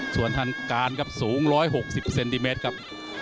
ส่วนทางการสูง๑๖๐ซันติเมตรครับ